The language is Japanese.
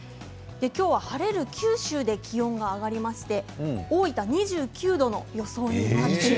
今日は晴れる九州で気温が上がりまして大分は２９度の予想です。